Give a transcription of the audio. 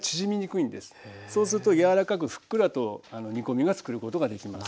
そうすると柔らかくふっくらと煮込みがつくることができます。